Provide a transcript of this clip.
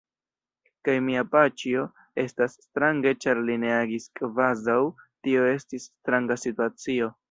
Kaj mia paĉjo... estas strange ĉar li ne agis kvazaŭ tio estis stranga situacio.